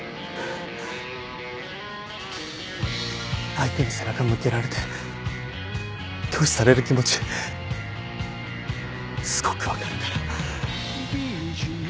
相手に背中向けられて拒否される気持ちすごく分かるから。